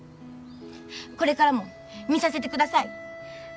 これからも見させてください。